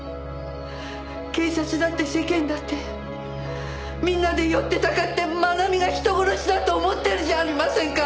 警察だって世間だってみんなでよってたかって愛美が人殺しだと思ってるじゃありませんか！